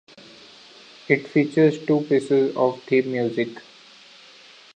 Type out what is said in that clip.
It features two pieces of theme music.